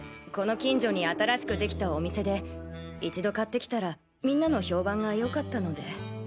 この近所に新しくできたお店で一度買って来たらみんなの評判が良かったので。